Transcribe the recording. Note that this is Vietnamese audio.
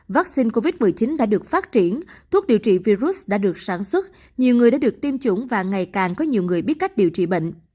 vaccine covid một mươi chín đã được phát triển thuốc điều trị virus đã được sản xuất nhiều người đã được tiêm chủng và ngày càng có nhiều người biết cách điều trị bệnh